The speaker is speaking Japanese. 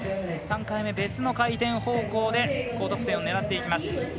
３回目、別の回転方向で高得点を狙います。